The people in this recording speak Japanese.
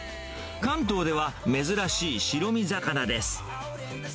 関東では珍しい白身魚です。